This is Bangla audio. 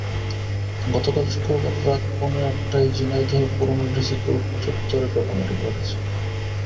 গতকাল শুক্রবার রাত পৌনে আটটায় ঝিনাইদহ পুরোনো ডিসি কোর্ট চত্বরে ঘটনাটি ঘটেছে।